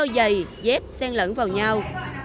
dày dép sen lẫn vào nhau